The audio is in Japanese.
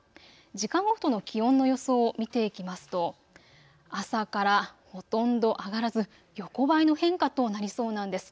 時間ごとの気温の予想を見ていきますと朝からほとんど上がらず横ばいの変化となりそうなんです。